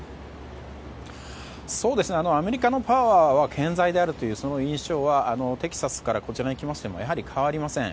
そうですね、アメリカのパワーは健在であるというその印象はテキサスからこちらに来ましてもやはり変わりません。